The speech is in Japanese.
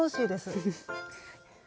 フフフッ。